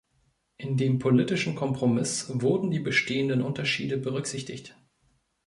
In dem politischen Kompromiss wurden die bestehenden Unterschiede berücksichtigt.